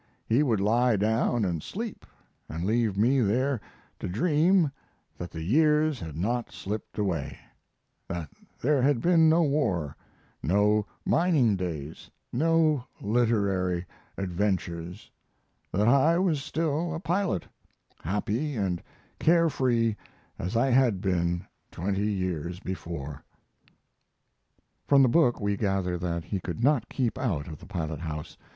He would lie down and sleep, and leave me there to dream that the years had not slipped away; that there had been no war, no mining days, no literary adventures; that I was still a pilot, happy and care free as I had been twenty years before." From the book we gather that he could not keep out of the pilot house.